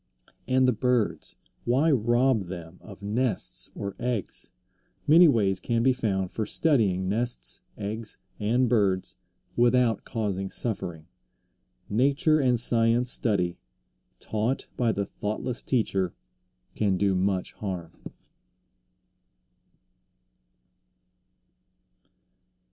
And the birds, why rob them of nests or eggs? Many ways can be found for studying nests, eggs, and birds, without causing suffering. Nature and science study, taught by the thoughtless teacher, can do much harm.